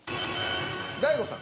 大悟さん。